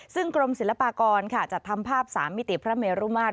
ซึ่งกรมศิลปากรค่ะจะทำภาพศาสตร์มิติพระเมรุมาตร